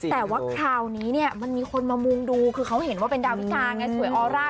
แต่ว่าคราวนี้เนี่ยมันมีคนมามุงดูคือเขาเห็นว่าเป็นดาวิกาไงสวยออร่า